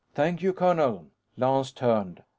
"Thank you, colonel." Lance turned.